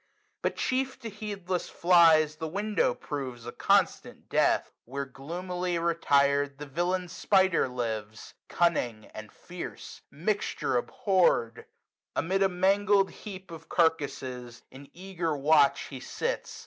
But chief to heedless flies the window proves A constant death ; where, gloomily retired. The villain spider lives, cunning, and fiercej Mixture abhor'd ! Amid a mangled heap 270 12 6o SUMMER. Of carcasses, in eager watch he sits.